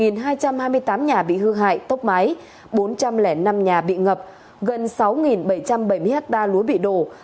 một hai trăm hai mươi tám nhà bị hư hại tốc mái bốn trăm linh năm nhà bị ngập gần sáu bảy trăm bảy mươi hectare lúa bị đổ